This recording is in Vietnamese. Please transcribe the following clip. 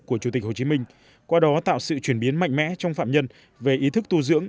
của chủ tịch hồ chí minh qua đó tạo sự chuyển biến mạnh mẽ trong phạm nhân về ý thức tu dưỡng